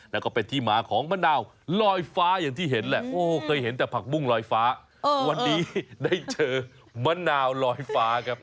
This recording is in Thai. แล้วก็เป็นที่มาของมะนาวลอยฟ้าอย่างที่เห็นแหละโอ้เคยเห็นแต่ผักบุ้งลอยฟ้าวันนี้ได้เจอมะนาวลอยฟ้าครับ